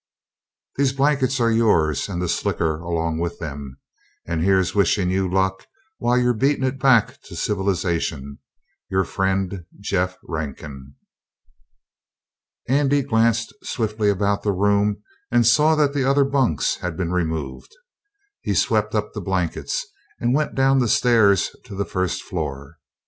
These blankets are yours and the slicker along with them and heres wishin you luck while youre beatin it back to civlizashun. your friend, JEFF RANKIN. Andy glanced swiftly about the room and saw that the other bunks had been removed. He swept up the blankets and went down the stairs to the first floor.